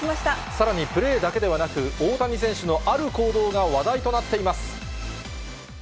さらにプレーだけではなく、大谷選手のある行動が話題となっています。